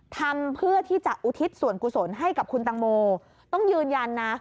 ทำเพื่อที่จะอุทิศส่วนกุศลให้กับคุณตังโมต้องยืนยันนะ